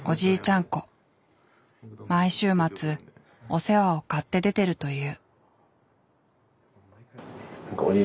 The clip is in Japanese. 毎週末お世話を買って出てるという。